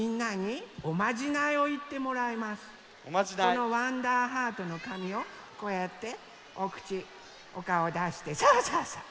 このわんだーハートのかみをこうやっておくちおかおをだしてそうそうそう！